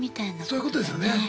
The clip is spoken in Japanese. そういうことですよね。